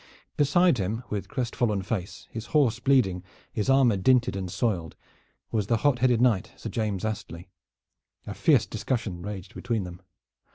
Beside him, with crestfallen face, his horse bleeding, his armor dinted and soiled, was the hot headed knight, Sir James Astley. A fierce discussion raged between them.